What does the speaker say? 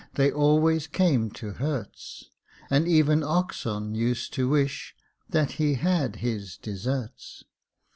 They always came to Herts; And even Oxon used to wish That he had his deserts.